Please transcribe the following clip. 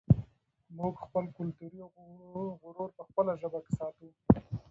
موږ خپل کلتوري غرور په خپله ژبه کې ساتو.